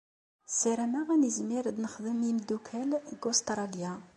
Ssarameɣ ad nizmir ad d-nexdem imeddukkal deg Ustṛaliya.